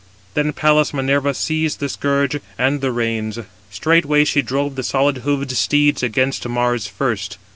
Then Pallas Minerva seized the scourge and the reins. Straightway she drove the solid hoofed steeds against Mars first.